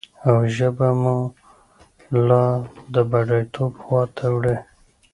او ژبه به مو لا د بډايتوب خواته وړي وي.